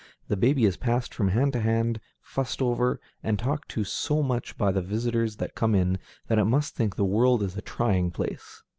The baby is passed from hand to hand, fussed over, and talked to so much by the visitors that come in, that it must think this world a trying place.